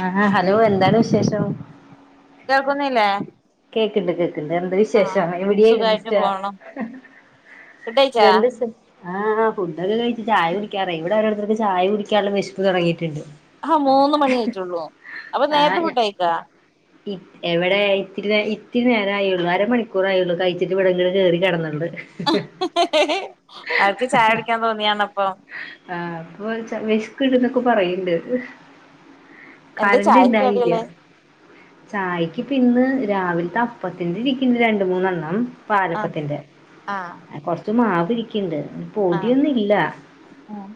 ആഹാ hello എന്താണ് വിശേഷം? കേൾക്കുന്നില്ലേ? കേക്ക്‌ണ്ട് കേക്ക്‌ണ്ട് എന്താ ആഹ് വിശേഷം? സുഖായിട്ട് എവിടെയായിരുന്നുസ്റ്റ? പോണു ഫുഡഴിച്ചാ രണ്ട്സ ആഹ് ഫുഡൊക്കെ കഴിച്ചു ചായ കുടിക്കാറായി. ഇവിടെ ഓരോരുത്തർക്ക് ചായ കുടിക്കാനുള്ള വിശപ്പ് തുടങ്ങിയിട്ടുണ്ട്. ആഹ് മൂന്ന് മണി ആയിട്ടുള്ളൂ. അപ്പൊ ആഹ് നേരത്തെ ഞ ഫുഡയിക്കാ? ഇ എവിടെ ഇത്തിരി നേ ഇത്തിരി നേരം ആയുള്ളു അരമണിക്കൂറായുള്ളൂ കഴിച്ചിട്ട് വിടങ്ങനെ കേറി കടന്നണ്ട്. അവർക്ക് ചായ കുടിക്കാൻ തോന്നിയാണപ്പം ആഹ് അപ്പൊ ച്ച വെഷ്ക്ക്ണ്ട്ന്നൊക്കെ പറയണ്ട് എന്താ കറണ്ട് ചായക്ക് ഇണ്ടായില്ല. കടികള് ചായയ്ക്ക് പിന്ന് രാവിലത്തെ അപ്പത്തിന്റെ ഇരിക്കുന്നു രണ്ടു മൂന്നെണ്ണം ആഹ് പാലപ്പത്തിന്റെ. ആഹ് കൊറച്ച് മാവ് ഇരിക്കണ്ട് പൊടിയൊന്നും ഇല്ല. ആഹ്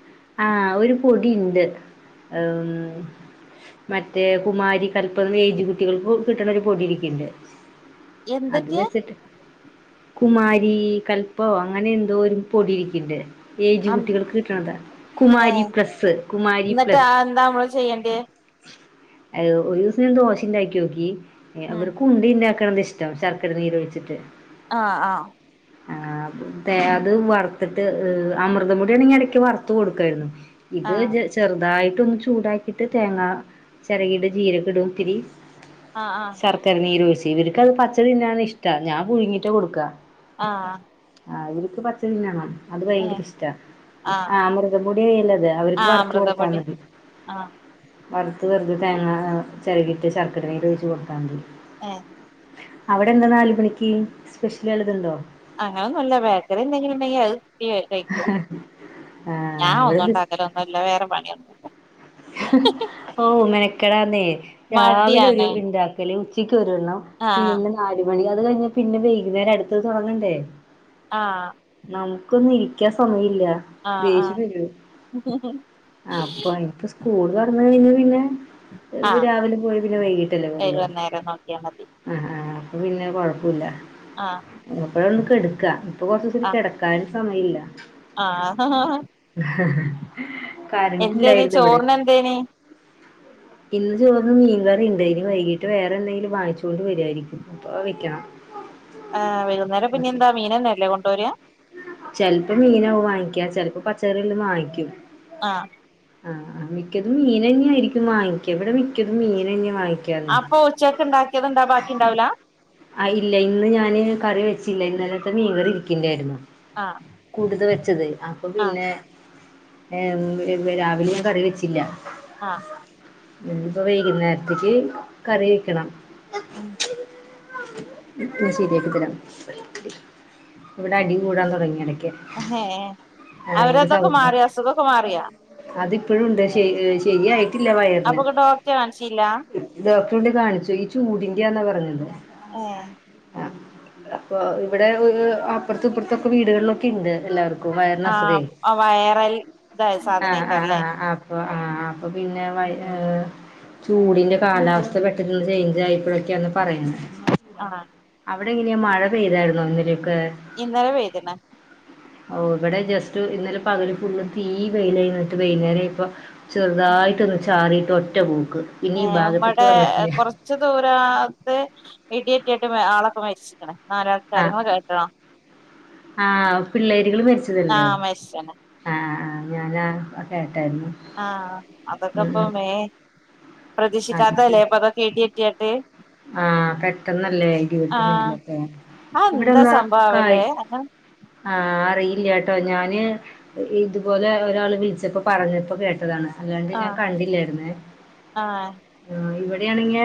ആഹ് ഒരു പൊടി ഇണ്ട്. മറ്റേ കുമാരി തല്പ്പ ഏജ് കുട്ടികൾക്ക് കിട്ടണ ഒരു പൊടി ഇരിക്കണ്ട് അത് എന്തൊക്കെയാ വെച്ചിട്ട് കുമാരി കല്പം അങ്ങനെ എന്തോ ഒരു പൊടിയിരിക്കണ്ട് ഏജ് കു ആഹ് കിട്ടണ്ട. കുമാരി ഏഹ് പ്രസ് കുമാരി എന്നിട്ട് പ്ലസ് ആഹ് എന്താ നമ്മള് ചെയ്യേണ്ടിയേ അഹ് ഒരു ദിവസം ഞാൻ ദോശ ഇണ്ടാക്കിയോക്കി. ഉം അവർക് ഉണ്ടിണ്ടാക്കണത് ഇഷ് ഷ്‌ടം ശർക്കര നീര് ഒഴിച്ചിട്ട്. ആഹ് ആഹ് ആഹ് തേ അത് വറുത്തിട്ട് അമൃതം [unintelligible] ഇടയ്ക്ക് വറുത്തു കൊടുക്കായിരുന്നു. ഇത് ആഹ് ചെറുതായിട്ടൊന്ന് ചൂടാക്കിട്ട് തേങ്ങ ചെരകിയത് ജീരകം ഇടും ഇത്തിരി ആഹ് ആഹ് ശർക്കര നീരോഴിച്ച് ഇവര്ക്കത് പച്ചതിന്നാണ് ഇഷ്ട ഞാ പുഴുങ്ങിറ്റാ കൊടുക്കാ ആഹ് ആഹ് ഇവര്ക്ക് പച്ചതിന്നണം അത് ഏഹ് ഭയങ്കര ഇഷ്ട ആഹ് അമൃതം പൊടി ആയാലത് അവർക്ക് ആഹ് വറുത്ത് കൊടുത്താ അമൃതപൊടി മതി ആഹ് വറുത്ത് വെറു തേങ്ങ ചെറകിട്ട് ശർക്കര നീര് ഒഴിച്ചു കൊടുത്താമതി ഏഹ് അവിടെ എന്താ നാലു മണിക്ക്? സ്പെഷ്യൽ വല്ലതും ഉണ്ടോ? അങ്ങനൊന്നും അല്ല. ബേക്കറി എന്തെങ്കിലും ഉണ്ടെങ്കി അത് [unintelligible] കഴിക്കും. ആ ഞാൻ ഇവിടെ ഒന്നും ബിസ് ഉണ്ടാക്കലൊന്നൂല്ല. വേറെ പണിയൊന്നൂല്ല. ഓഹ് മെനക്കേടാന്നേ. രാവിലെ ഒരു മടിയാണ് ഉണ്ടാക്കല്. ഉച്ചയ്ക്ക് ഒരെണ്ണം. ആഹ് പിന്നെ നാലുമണി. അത് കഴിഞ്ഞാ പിന്നെ വൈകുന്നേരം. അടുത്തത് തുടങ്ങണ്ടേ. ആഹ് നമുക്കൊന്ന് ഇരിക്കാൻ സമയില്ല. ആഹ് ദേഷ്യം ആഹ് വരും. അപ്പൊ ഇനിപ്പ സ്കൂൾ തുറന്ന് കഴിഞ്ഞാ പിന്നെ ആഹ് രാവിലെ പോയി പിന്നെ വൈകീട്ടല്ലേ വരളു വൈകുന്നേരം നോക്കിയാ മതി ആഹ് ആഹ് അപ്പ പിന്നെ കൊഴപ്പുല്ല ആഹ് അപ്പോഴാ ഒന്ന് കെടക്കാ. ഇപ്പൊ കൊറച്ചൂസായിട്ട് ആഹ് കിടക്കാനും സമയില്ല. ആഹ് എന്തേനി കറൻ്റില്ലായിരുന്നു ഇവിടെ. ചോറിന് എന്തേനി? ഇന്ന് ചോറിന് മീൻകറി ഉണ്ട്. വൈകീട്ട് വേറെ എന്തെങ്കിലും വാങ്ങിച്ചു കൊണ്ട് വരുവായിരിക്കും അപ്പെ വെക്കണം. ആഹ് വൈകുന്നേരം പിന്നെ എന്താ മീന ന്നെ അല്ലേ കൊണ്ടുവരാ. ചെലപ്പോ മീനാവും വാങ്ങിക്ക. ചിലപ്പോ പച്ചക്കറി വെല്ലതും വാങ്ങിക്കും. ആഹ്. ആഹ് ആഹ് മിക്കതും മീനന്നെ ആയിരിക്കും വാങ്ങിക്കാ. ഉവിടെ മിക്കതും മീനന്നെ വാങ്ങി അപ്പൊ ഉച്ചയ്ക്ക് ഉണ്ടാക്കിയത് എന്താ ബാക്കി ഉണ്ടാവില്ല? ആഹ് ഇല്ല ഇന്ന് ഞാന് കറി വെച്ചില്ല. ഇന്നലത്തെ മീൻകറി ഇരിക്ക്ണ്ടായിരുന്നു. ആഹ്. കൂടുതൽ വെച്ചത്. അപ്പൊ ആഹ് പിന്നെ ഏഹ് രാവിലെയും കറി വെച്ചില്ല. ആഹ്. ഇന്നിപ്പൊ വൈകുന്നേരത്തേക്ക് കറി വെക്കണം. ഉം ഇവിടെ അടി കൂടാൻ തുടങ്ങി ഇടക്കേ. അഹേ. അവരതൊക്കൊക്കെ മാറിയാ. അസുഖ ഒക്കെ മാറിയാ. അതിപ്പോഴും ഉണ്ട് ശരി ശരിയായി ട്ടില്ല വയറിന്. അപ്പൊക്കെ ഡോക്ടറെ കാണിച്ചില്ല ഡോക്ടറെ കൊണ്ട് കാണിച്ചു. ഈ ചൂടിന്റെയാന്നാ പറഞ്ഞത്. ഏഹ്. ആഹ്. അപ്പൊ ഇവിടെ അപ്പുറത്തിപ്പുറത്തൊക്കെ വീടുകളിലൊക്കെ ഉണ്ട്. എല്ലാവർക്കും. വയറിനസുഖേ ആഹ് വൈറൽ ഇതായ ആഹ് ആഹ് സാധനേക്കാരല്ലേ ആഹ് ആഹ് അപ്പൊ പിന്നെ വയ് ഏഹ്. ചൂടിൻ്റെ കാലാവസ്ഥ പെട്ടന്ന് ഒന്ന് ചേയ്ഞ്ചായപ്പോഴൊക്കെയാന്ന് പറയുന്നെ. ആഹ്. അവിടെ എങ്ങനെയാ മഴ പെയ്തായിരുന്നോ ഇന്നലെയൊക്കെ? ഇന്നലെ പെയ്തെണ്. ഓഹ് ഇവിടെ ജസ്റ്റ് ഇന്നലെ പകല് ഫുള്ള് തീ വെയിൽ ആയിരുന്നു. എന്നിട്ട് വൈകുന്നേരം ആയപ്പൊ ചെറുതായിട്ടൊന്ന് ചാറിയിട്ട് ഒറ്റ പോക്ക്. പിന്നെ ഈ ഭാഗത്തേക്ക് ഇബടെ വന്നിട്ടില്ല കുറ റച്ച് ദൂരാത്ത് ഇടിവെട്ടീട്ട് ആളൊക്കെ മരിച്ചിക്കണ്. ആഹ് നാലാൾക്കാരങ്ങൾ നിങ്ങൾ കെ ആഹ് പിള്ളേരുകള് മരിച്ചതല്ലേ. ആഹ് മരിച്ചണ് ആഹ് ആഹ് ഞാനാ കേട്ടായിരുന്നു. ആഹ് ഉം ഉം അതൊക്കൊപ്പമേ അത് ശരി പ്രതീക്ഷിക്കാത്തതല്ലേ അപ്പൊ അതൊക്കെ ഇടി വെട്ടിക്കണ്ട് ആഹ് പെട്ടെന്നല്ലേ ഇടിവെട്ടും ആഹ് മിന്നലൊക്കെ അത് എന്താ ഇവിടെന്ന് സംഭവാവല്ലേ കായ് അങ്ങനെ ആഹ് അറിയില്ലാട്ടോ. ഞാന് ഇതുപോലെ ഒരാള് വിളിച്ചപ്പോ പറഞ്ഞപ്പോ കേട്ടതാണ്. അല്ലാണ്ട് ഞാൻ ആഹ് കണ്ടില്ലേരുന്ന്. ആഹ് ഇവിടെയാണെങ്കി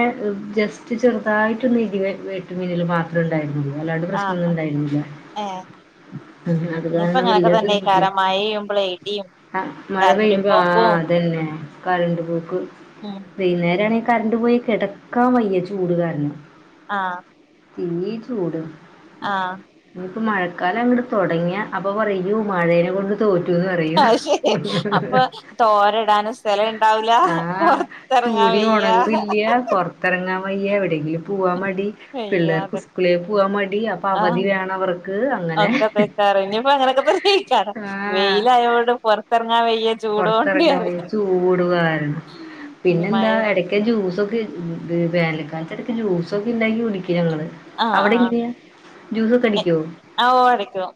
ജസ് സ്റ്റ് ചെറുതായിട്ടൊന്ന് ഇടിവെ വെട്ടും മിന്നലും മാത്രം ഉണ്ടായിരുന്നുള്ളൂ. അല്ലാണ്ട് ആഹ് പ്രശ്നൊന്നും ആഹ് ഇണ്ടായിരുന്നില്ല. ഏഹ് അത് ഇനിയിപ്പോ കാരണം ഇങ്ങനൊക്കെ വല്യ ബദ്ധിമുട്ടി തന്നെക്കാരം മഴെയ്യുമ്പളെ ഇടിയും ആ മഴ കരണ്ട് പെയ്യുമ്പോ ആ പോക്കും അതന്നെ കറണ്ട് പോക്ക് ഉം വൈന്നേരം ആണെങ്കിൽ കറണ്ട് പോയി കെടക്കാൻ വയ്യ ചൂട് കാരണം ആഹ പിന്നിം ചൂട് ആഹ ഇനിയിപ്പോ മഴക്കാലം അങ്ങട് തൊടങ്ങിയ അപ്പൊ പറയൂ യൂ മഴേനെ കൊണ്ട് തോറ്റുന്ന് പറയൂ അത് ശരി അപ്പൊ തോരടാനും സ്ഥലം ഇണ്ടാവൂല ആഹ പൊറത്തിറങ്ങാൻ തുണി വയ്യ ഒണങ്ങ്ല്ല പൊറത്തിറങ്ങാൻ പറ്റു യ്യ എവിടെങ്കിലും പോവാ മടി പിള്ളേർക്ക് സ്കൂളെ പോവാൻ മടി ആഹ അവധി വേണം അവർക്ക് അങ്ങനെ ഒക്കെതേക്കാരം ഇനിപ്പോ അങ്ങനെക്കെ തന്നെക്കാരം ആ വെയിലായോട് പൊർ ത്തെർങ്ങാ വെയ്യ പൊർത്തിറങ്ങാൻ വയ്യ ചൂട് കാരണം ഇനി മഴ പിന്നെന്താ എടക്ക് ക്കെ ജൂസൊക്കെ വേനൽക്കാലത്തടെക്കെ ജ്യൂസൊക്കെ ഇണ്ടാക്കി കുടിക്കും ഞങ്ങള് ആഹ് ആഹ് അവിടെങ്ങനെയാ ജ്യൂസൊക്കെ എ അടിക്കുവോ ആ ഓ അരക്കും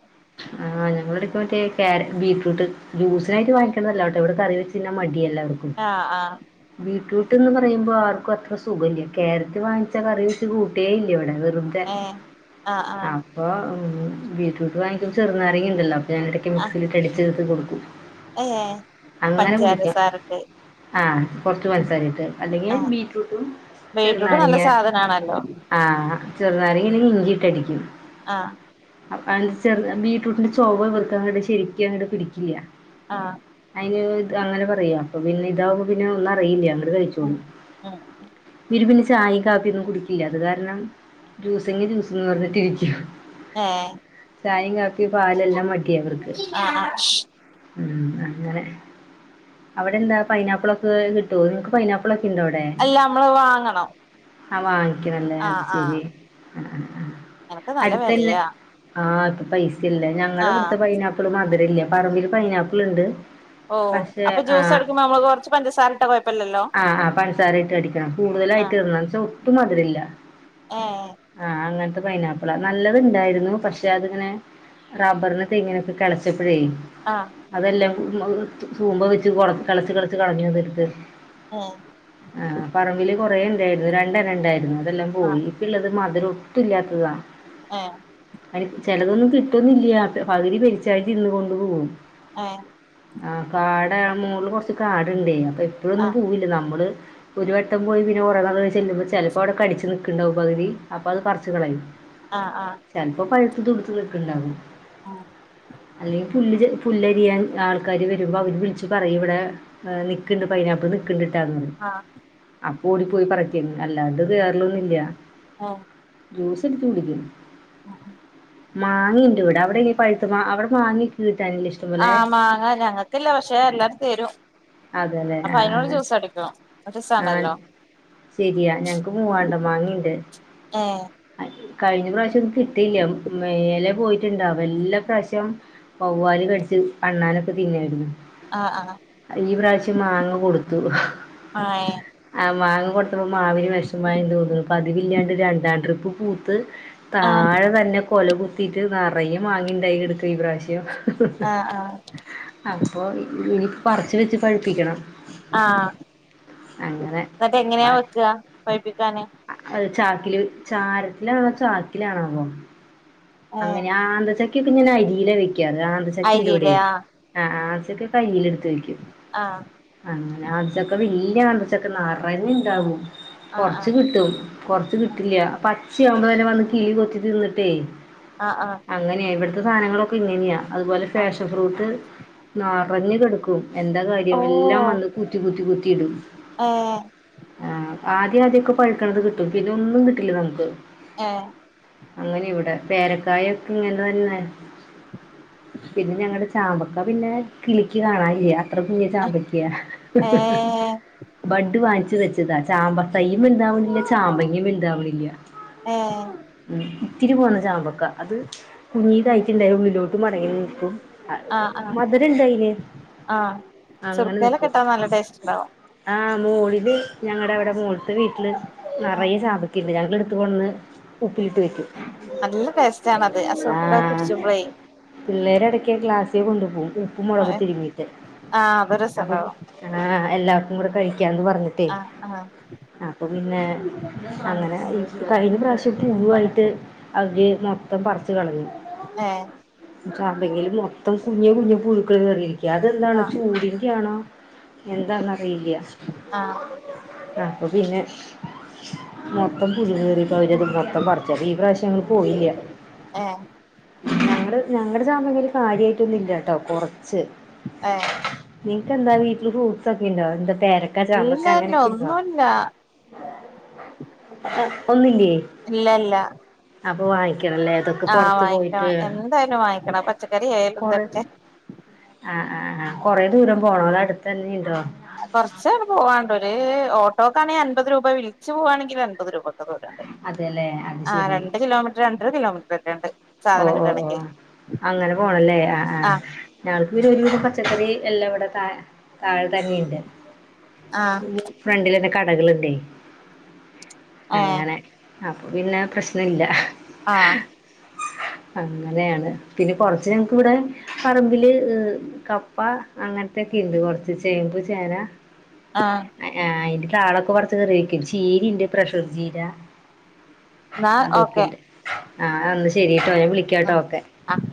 ആഹ് ഞങ്ങളെടക്ക് മറ്റേ കാര ബീറ്റ്റൂട്ട് ജ്യൂസിനായിട്ട് വാങ്ങിക്ക ല്ലട്ടോ ഇവിടെ കറി വെച്ചിന്നാൻ മടി എല്ലാർക്കും ആഹ ആഹ ബീറ്റ്റൂട്ട്ന്ന് പറയുമ്പോൾ ആർക്കും അത്ര സുഖല്ല കാരറ്റ് വാങ്ങിച്ച കറി വെച്ച് കൂട്ടേ ഇല്ല ഇവിടെ വെറു തെ ഏഹ് ആഹ് ആഹ് അപ്പൊ ബീറ്റ്റൂട്ട് വാങ്ങിക്കുമ്പ ചെറുനാരങ്ങ ഇണ്ടല്ലോ അ ഞാനിടയ്ക്ക് മിക്സിയിലിട്ട് അടിച് ഇത് കൊടുക്കും ഏ പഞ്ചാര സാരൊക്കെ ആഹ കൊർച്ച് പൻസാരട്ട് അല്ലെങ്കിൽ ആഹ് ബീറ്റ്റൂട്ടും ചെറുനാരങ്ങ ആണല്ലോ ആ ചെറുനാരങ്ങ ഇല്ലെങ്കി ഇഞ്ചിട്ടടിക്കും ആഹ അപ്പ അൽ ചെർ ബീട്രൂട്ടിന്റെ ചൊവ ഇവര്ക്കാ അങ്ങട് ശരിക്കും അങ്ങട്ട് പിടിക്കില്ല ആഹ അയിന് അങ്ങനെ പറയാ അപ്പൊ പിന്നെ ഇതാവുമ്പോ പിന്നെ ഒന്നും അറിയില്ല അങ്ങട് ഉം കഴിച്ചോളും ഉം ഇവരു പിന്നെ ചായയും കാപ്പിയൊന്നും കുടിക്കില്ല അത് കാരണം ജൂസെങ്ങെ ജ്യൂസ്ന്ന് പറഞ്ഞിട്ടിരിക്കും ഏഹ് ചായിം കാപ്പിം പാലെല്ലാം മടിയ ഇവർക്ക് ആഹ ആഹ ഉ അങ്ങനെ അവിടെ എന്താ പൈനാപ്പിളൊക്കെ കിട്ടോ നിങ്ങൾക്ക് പൈനാപ്പിളൊക്കെ ഇണ്ടോ അവ് ടെ അല്ല നമ്മള് വാങ്ങണം ആ വാങ്ങിക്കണല്ലേ അത് ആഹ് ആഹ് ശരി ആ എനക്ക് നല്ല അടുത്തന്നെ വെലയാ ആ ഇപ്പ പൈസ ഇല്ല ഞങ്ങളുടെ ആഹ് ഇവ്ടുത്തെ പൈനാ പ്പ്ള് മധുരല്ല പറമ്പിൽ പൈനാപ്പിൾ ഇണ്ട് ഓ പക്ഷേ അപ്പൊ ജ്യൂസ് ആഹ അടിക്കുമ്പോ നമ്മള് കൊറച്ച് പഞ്ചസാരട്ടാ കൊഴപ്പല്ലല്ലോ ആ ആ പഞ്ചസാര ഇട്ടടിക്ക- ആ കൂടുതലായിട്ട്ടണം ന്നച്ച ഒട്ടും മധുരില്ല അഹ ആഹ അങ്ങനത്തെ പൈനാപ്പിളാ നല്ലത്ണ്ടായിരുന്നു പക്ഷെ അതിങ്ങനെ- റബ്ബറിനും, തേങ്ങിനൊക്കെ കെളച്ചപ്പഴേ- ആഹാ. അതെല്ലാം തൂമ്പ വെച്ച് കളച്ച്, കിളച്ച് കളഞ്ഞു. [unintelligible] ഉം. ആഹ പറമ്പില് കൊറേണ്ടായിരുന്നു, രണ്ടനണ്ടായിരുന്നു, അതെല്ലാം ആഹ് പോയി. ള്ളത് മധുരൊട്ടുല്ലാത്തതാ- ആഹാ. അനി ചെലതൊന്നും കിട്ട്ന്നില്ല, പകുതി പെരിച്ചായി ഇന്ന് കൊണ്ടു പോവും. ഹേ. ആഹാ കാട മോള്ല് കൊറച്ച് കാടുണ്ടേ, അപ്പോ എപ്പോഴൊന്നും ആഹ് പോവില്ല നമ്മള്. ഒരു വട്ടം പോയി പിന്നെ കുറേനാൾ ചെല്ലുമ്പോ ചിലപ്പോ അവിടെ കടിച്ച് നിക്കുണ്ടാവുംപകുതി, അപ്പോ അത് പറിച്ച് കളയും. ആഹാ ആഹാ. ചിലപ്പോ പഴുത്ത് തുടുത്ത് നിക്ക്ണ്ടാവും, ആഹാ. അല്ലെ പുല്ല്- പുല്ലരിയാൻ ആൾക്കാർ വരുമ്പോൾ അവർ വിളിച്ച് പറയും, ഇവിടെ നിക്കുന്നുണ്ട് പൈനാപ്പിൾ നിക്ക്ണ്ടട്ടാ. ആഹാ. അപ്പോ ഓടിപ്പോയി പറക്കും, അല്ലാണ്ട് കേറലൊന്നും ഇല്ല. ആഹാ. ജ്യൂസ് അടിച്ചുകുടിക്കും. ആഹാ ആഹാ. മാങ്ങ ഇണ്ട് ഇവിടെ അവിടെ ഇ- പഴുത്ത അവിടെ മാങ്ങ കിട്ടാനില്ലേ? ആഹാ മാങ്ങ ഞങ്ങൾക്കില്ല പക്ഷെ, എല്ലാരും തരും. അതല്ലേ അപ്പോ ആ അയിനോട് ആ ജ്യൂസ് അടക്കും മസണല്ലോ. ശെരിയാ ഞങ്ങൾക്ക് മൂവാണ്ടൻ മാങ്ങയുണ്ട്. ആഹാ. കഴിഞ്ഞ പ്രാവശ്യം ഒന്നും കിട്ടില്ല, മേലെ പോയിട്ടുണ്ടാവും എല്ല പ്രാവശ്യം- വവ്വാല് കടിച്ച്, അണ്ണാനൊക്കെ തിന്നുവായിരുന്നു. ആഹാ ആഹാ ഈ പ്രാവശ്യം മാങ്ങ കൊടുത്തു. ആഹ് ആഹാ മാങ്ങ കൊടുത്തപ്പോൾ മാവിന് വെഷമായി തോന്നുന്നു. പതിവില്ലാണ്ട് രണ്ടാം ട്രിപ്പ് പൂത്ത്- ഏഹ് താഴെ തന്നെ കൊല കുത്തീട്ട്- നെറയും മാങ്ങ ഉണ്ടായി കിടക്ക ഈ പ്രാവശ്യം. ആഹ് ആഹ് അപ്പോ ഇനി പറിച്ച് വെച്ച് പഴിപ്പിക്കണം. ആഹാ. എന്നിട്ട് എങ്ങനെയാ വെക്കുക പഴിപ്പിക്കാന്. അത് ചാക്കില് ചാരത്തിലാണോ? ചാക്കിലാണാവോ? ഏഹ് അങ്ങനെ ആന്തച്ചക്കയൊക്കെ- ഞാൻ അരില വെക്കാ. അത് ആന്തച്ചക്ക ഉണ്ട് ഇവിടെ. അരിയിലെ ആഹ് ആഹാ ആഹാ ആവശ്യക്ക കയിൽ എടുത്ത് വയ്ക്കും. ആഹാ. അങ്ങനെ ആന്തച്ചക്ക വല്ല്യ- ആന്തച്ചക്ക നെറഞ്ഞും ഇണ്ടാവും, ആഹ് കൊറച്ച് ആഹ് കിട്ടും. കൊറച്ച് കിട്ടില്ല പച്ചയാവുമ്പോ- തന്നെ വന്ന് കിളി കൊത്തി തിന്നട്ടേ. ആഹാ ആഹാ. അങ്ങനെയാ ഇവിടുത്തെ- സാധനങ്ങളൊക്കെ ഇങ്ങനെയാ, അതുപോലെ ആഹ് ഫാഷൻ ഫ്രൂട്ട്- നെറഞ്ഞു കിടക്കും എന്താ കാര്യം? എല്ലാം ഓഹ് വന്ന് കൂത്തി, കൂത്തി കൂത്തിയിടും. ഏഹ് ആഹാ ആദ്യം ആദ്യമൊക്കെ പഴുക്കണത് കിട്ടും, പിന്നെ ഒന്നും കിട്ടില്ല നമുക്ക്. ഏ. അങ്ങനെയ ഇവിടെ, പേരക്കായ ഒക്കെ ഇങ്ങനെ തന്നെ. പിന്നെ ഞങ്ങളടെ ചാമ്പക്ക പിന്നെ കിളിക്ക് കാണാനില്ല. അത്ര കുഞ്ഞ് ആഹ് ചാമ്പക്കയ. ഏഹ് ബഡ് വാങ്ങിച്ചു വെച്ചതാ, ചാമ്പത്തൈയ്യും വലുതാവണില്ല, ചാമ്പങ്ങയും വലുതാവണില്ല. ഏഹ് ഉം ഇത്തിരി പോന്ന ചാമ്പക്ക അത് കുഞ്ഞിതായിട്ട്ണ്ടായ ഉള്ളിലോട്ട് മടങ്ങി നിൽക്കും ആഹ് ആഹ് മധുരം ഇണ്ട് അയിന് ആഹ് അങ്ങനെ സുർക്കേലൊക്കെ നിക്കും ഇട്ടാ നല്ല ടേസ്റ്റ് ഉണ്ടാവും ആഹ് മോളില് ഞങ്ങടെ അവിടെ മോളിത്ത വീട്ടില് ആഹ് നിറയെ ചാമ്പക്ക ഉണ്ട് ഞങ്ങള് കൊണ്ട് വന്ന് ഉപ്പിലിട്ട് വെക്കും നല്ല ടേസ്റ്റാണത് ആ സുർക്കക്കെ കുടിച്ച്മ്പൊളേ പിള്ളേരെടക്കെ ക്ലാസ്സി കൊണ്ടു പോകും ഉപ്പ് മുളകും ആഹ് തിരുമീട്ട് അത് അപ്പൊ രസണ്ടാവും ആഹ് എല്ലാവർക്കും കൂടെ കഴിക്കാന്ന് പറഞ്ഞു ആഹ്‌ ആഹ്‌ അപ്പൊ പിന്നെ അങ്ങനെ കഴിഞ്ഞ പ്രാവശ്യം പൂവായിട്ട് അതീ മൊത്തം പറച്ച് കളഞ്ഞു ഏഹ് ചാമ്പങ്ങയില് മൊത്തം കുഞ്ഞ് കുഞ്ഞ് പുഴുക്കൾ കേറീരിയിക്ക അതെന്താണോ ആഹ് ചൂടിന്റെയാണോ എന്താന്നറിയില്ല ആഹ് അപ്പൊ പിന്നെ മൊത്തം പുഴു കയറി ഇപ്പം അവരത് മൊത്തം പറിച്ച ഈ പ്രാവശ്യം പോയില്ല ആഹ് ഞങ്ങള് ഞങ്ങടെ ചാമ്പങ്ങയിൽ കാര്യമായിട്ടൊന്നും ഇല്ലാട്ടോ കൊറച്ച് ഏഹ് നിനക്കെന്താ വീട്ടില് ഫ്രൂട്ട്സ് ഒക്കെ ഉണ്ടോ എന്താ പേരക്ക ചാമ്പക്ക ഇല്ല ഇല്ല അങ്ങനൊക്കെ ഉണ്ടോ ഒന്നുല്ല ആഹ്‌ ഒന്നില്ലേ ഇല്ല ഇല്ല അതൊക്കെ ആഹ് പൊറത്ത് പോയിട്ട് വാങ്ങിക്കണം എന്തായാലും വാങ്ങിക്കണം പച്ചക്കറി കൊറെ ഏന്തൊക്കെ ആഹ് ആഹ് ആഹ് കൊറേ ദൂരം പോണോ അതൊ അടുത്തന്നെ ഇണ്ടോ കൊറച്ചട് പോവാണ്ട് ഒരു ഓട്ടോക്കാണെങ്കിൽ അൻപത് രൂപ വിളിച്ചു പോവാണെങ്കിൽ അൻപത് രൂപ പോരാണ്ട് അതെല്ലേ അത് ആഹ് ശെരി രണ്ട് കിലോമീറ്റർ രണ്ടര കിലോമീറ്റർ ഒക്കെ ഉണ്ട് ഓ സാധനം ഓ ഓ കിട്ടണെങ്കി അങ്ങനെ പോണല്ലേ ആഹ് ആഹ് ഞങ്ങൾക്ക് ഒരു വിധം പച്ചക്കറി എല്ലാം ഇവിടെ ത താഴെ തന്നെയുണ്ട് ആഹ് ഫ്രണ്ടിലത്തെ കടകള്ണ്ടെ ഏഹ് അങ്ങനെ അപ്പൊ പിന്നെ പ്രശ്ന ഇല്ല ആഹ് അങ്ങനെയാണ് പിന്നെ കൊറച്ച് ഞങ്ങക്ക് ഇവിടെ പറമ്പില് കപ്പ അങ്ങനത്തെക്കെ ഇണ്ട് കൊറച്ച് ചേമ്പ് ചേന ആഹ് അയിന്റെ താളൊക്കെ കുറച്ച് കറി വെക്കും ചീരഇണ്ട് പ്രഷർ ചീര എന്നാ ഓക്കെ അതൊക്കെണ്ട് ആഹ് എന്ന ശെരിട്ടോ ഞൻ വിളിക്കാട്ടോ ഓക്കെ ആഹ്‌